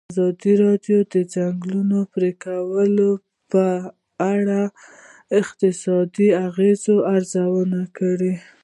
ازادي راډیو د د ځنګلونو پرېکول په اړه د اقتصادي اغېزو ارزونه کړې.